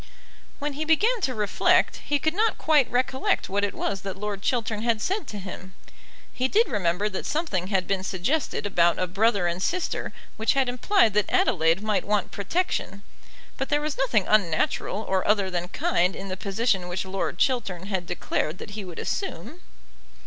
When he began to reflect, he could not quite recollect what it was that Lord Chiltern had said to him. He did remember that something had been suggested about a brother and sister which had implied that Adelaide might want protection, but there was nothing unnatural or other than kind in the position which Lord Chiltern had declared that he would assume.